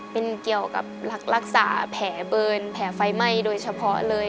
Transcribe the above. เป็นเกี่ยวกับรักษาแผลเบิร์นแผลไฟไหม้โดยเฉพาะเลย